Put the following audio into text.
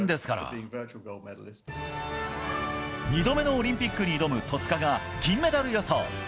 ２度目のオリンピックに挑む戸塚が銀メダル予想。